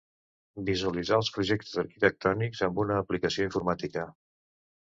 Visualitzà els projectes arquitectònics amb una aplicació informàtica.